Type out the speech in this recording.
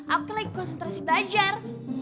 aku lagi konsentrasi belajar